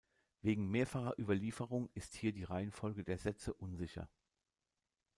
Wegen mehrfacher Überlieferung ist hier die Reihenfolge der Sätze unsicher.